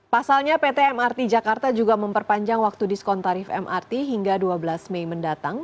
pasalnya pt mrt jakarta juga memperpanjang waktu diskon tarif mrt hingga dua belas mei mendatang